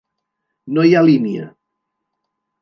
No hi ha línia.